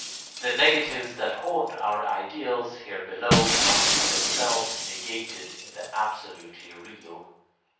The negatives that haunt our ideals here below must be themselves negated in the absolutely Real.